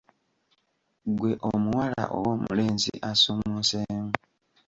Ggwe omuwala oba omulenzi asuumuseemu.